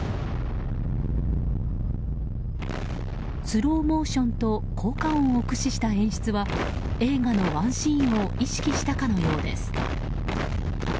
スローモーションと効果音を駆使した演出は映画のワンシーンを意識したかのようです。